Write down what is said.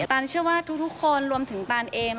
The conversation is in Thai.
ตานเชื่อว่าทุกคนรวมถึงตานเอม